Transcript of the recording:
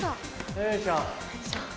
よいしょ。